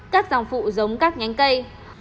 các dòng phụ giống các nhánh cây